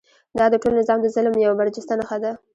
دا د ټول نظام د ظلم یوه برجسته نښه ده.